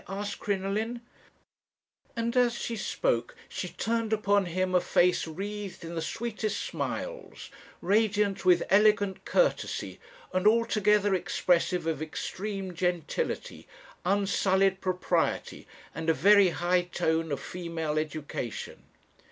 asked Crinoline; and as she spoke she turned upon him a face wreathed in the sweetest smiles, radiant with elegant courtesy, and altogether expressive of extreme gentility, unsullied propriety, and a very high tone of female education.